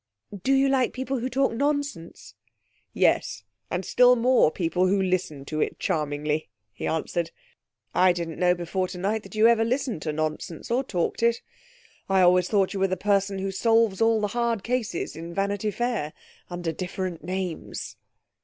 'Do you like people who talk nonsense?' 'Yes, and still more people who listen to it charmingly,' he answered. 'I didn't know before tonight that you ever listened to nonsense or talked it. I always thought you were the person who solves all the Hard Cases in Vanity Fair under different names.'